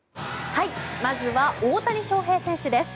まずは大谷翔平選手です。